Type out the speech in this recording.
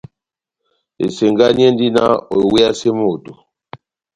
Esengani endi náh oiweyase moto.